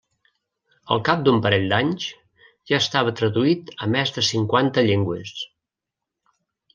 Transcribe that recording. Al cap d'un parell d'anys ja estava traduït a més de cinquanta llengües.